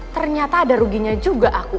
ternyata ada ruginya juga aku